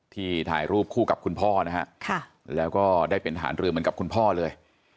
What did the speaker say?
ถ่ายรูปคู่กับคุณพ่อนะฮะแล้วก็ได้เป็นหารือเหมือนกับคุณพ่อเลย